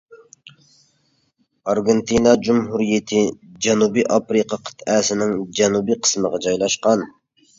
ئارگېنتىنا جۇمھۇرىيىتى جەنۇبىي ئافرىقا قىتئەسىنىڭ جەنۇبىي قىسمىغا جايلاشقان.